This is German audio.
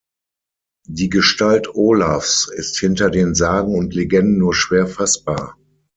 Die Gestalt Olavs ist hinter den Sagen und Legenden nur schwer fassbar.